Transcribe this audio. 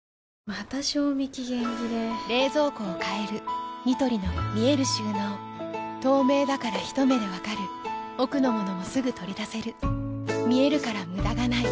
また賞味期限切れ冷蔵庫を変えるニトリの見える収納透明だからひと目で分かる奥の物もすぐ取り出せる見えるから無駄がないよし。